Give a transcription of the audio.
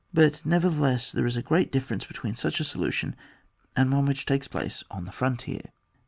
But nevertheless, there is a great dif ference between such a solution and one which takes place on the frontier.